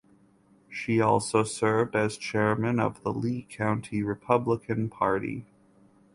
She also served as chairman of the Lee County Republican Party.